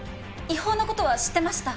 違法な事は知ってました。